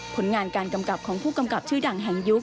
ผลงานการกำกับของผู้กำกับชื่อดังแห่งยุค